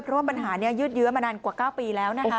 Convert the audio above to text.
เพราะว่าปัญหานี้ยืดเยอะมานานกว่า๙ปีแล้วนะคะ